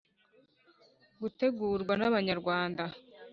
gutegurwa n’abanyarwanda